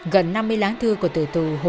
gần năm mươi lá thư của tử tù hồ xuân phú